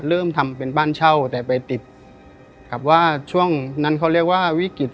เริ่มทำเป็นบ้านเช่าแต่ไปติดกับว่าช่วงนั้นเขาเรียกว่าวิกฤต